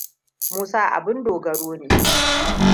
Musa abin dogaro ne.